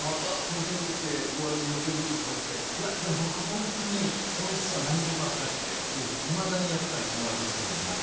東京出てきてお笑いの養成所とか入っていやでも僕ホントに本質は何にも変わってなくてそうなんだ